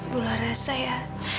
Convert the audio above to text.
bukan rasa ya